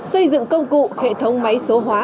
xây dựng công cụ hệ thống máy số hóa